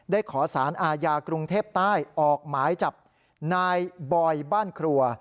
ขอสารอาญากรุงเทพใต้ออกหมายจับนายบอยบ้านครัว